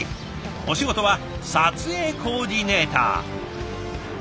お仕事は撮影コーディネーター。